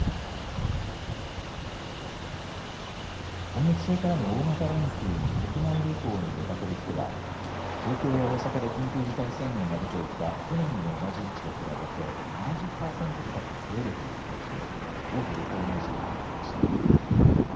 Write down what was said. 今月末からの大型連休に国内旅行に出かける人は東京や大阪で緊急事態宣言が出ていた去年の同じ時期と比べて７０％近く増えるという見通しを大手旅行会社がまとめました。